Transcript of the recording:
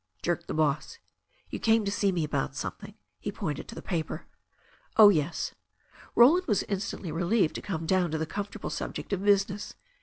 jerked the boss. "You came to see me about something." He pointed to the paper. "Oh, yes." Roland was instantly relieved to come down to the comfortable subject of business.